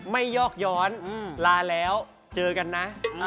ยอกย้อนลาแล้วเจอกันนะ